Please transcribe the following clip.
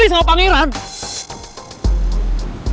harusnya lo gak ngelakuin itu mel